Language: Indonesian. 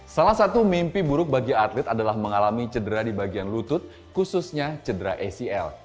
salah satu mimpi buruk bagi atlet adalah mengalami cedera di bagian lutut khususnya cedera acl